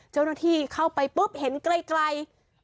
เจ้าหน้าที่เข้าไปปุ๊บเห็นไกล